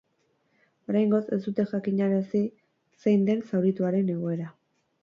Oraingoz, ez dute jakinarazi zein den zaurituaren egoera.